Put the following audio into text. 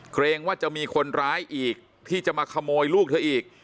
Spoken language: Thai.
เกรงว่าจะมีคนร้ายอีกที่จะมาขโมยลูกเธออีก